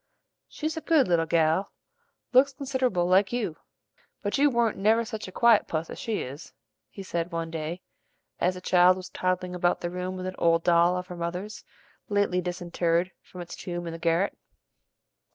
"She's a good little gal; looks consid'able like you; but you warn't never such a quiet puss as she is," he said one day, as the child was toddling about the room with an old doll of her mother's lately disinterred from its tomb in the garret.